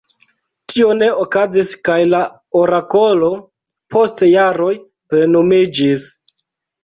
Tio ne okazis kaj la orakolo post jaroj plenumiĝis.